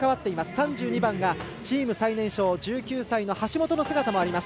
３２番がチーム最年少、１９歳の橋本の姿もあります。